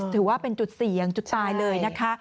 ถือว่าเป็นจุดเสี่ยงจุดตายเลยนะคะ